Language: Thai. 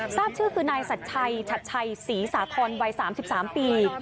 ทราบชื่อคือนายสัตชัยสีสาธอนวัย๓๓ปี